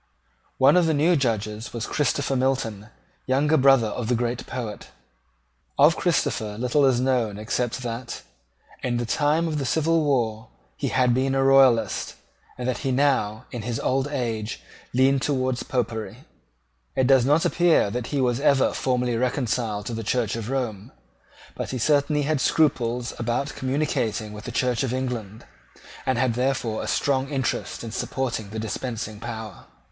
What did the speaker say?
One of the new Judges was Christopher Milton, younger brother of the great poet. Of Christopher little is known except that, in the time of the civil war, he had been a Royalist, and that he now, in his old age, leaned towards Popery. It does not appear that he was ever formally reconciled to the Church of Rome: but he certainly had scruples about communicating with the Church of England, and had therefore a strong interest in supporting the dispensing power.